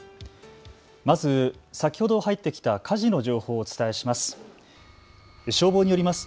まず、先ほど入ってきた火事の情報をお伝えします。